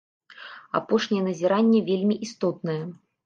Апошняе назіранне вельмі істотнае.